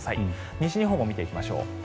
西日本も見ていきましょう。